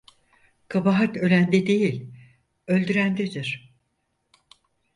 Kabahat ölende değil, öldürendedir.